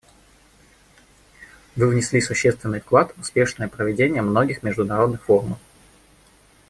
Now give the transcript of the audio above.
Вы внесли существенный вклад в успешное проведение многих международных форумов.